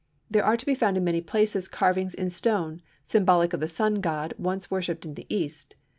There are to be found in many places carvings in stone, symbolic of the Sun god once worshipped in the East.